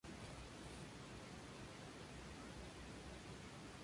Antes de ser publicado como single ya contaba con numerosas descargas en webs digitales.